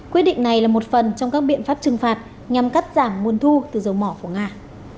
quyết định này là một phần trong các biện pháp trừng phạt nhằm cắt giảm nguồn thu từ dầu mỏ của nga